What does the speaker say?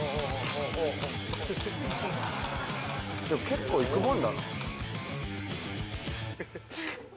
でも結構いくもんだな。